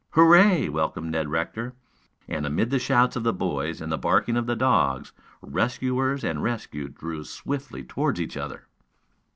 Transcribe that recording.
"Hooray!" welcomed Ned Rector. And amid the shouts of the boys and the barking of the dogs, rescuers and rescued drew swiftly toward each other.